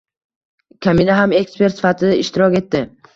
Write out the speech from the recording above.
Kamina ham ekspert sifatida ishtirok etdi.